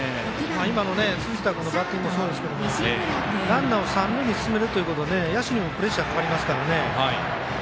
今の辻田君のバッティングもそうですけどランナーを三塁に進めるということで野手にもプレッシャーかかりますからね。